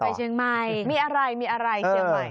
ไปเชียงใหม่มีอะไรเชียงใหม่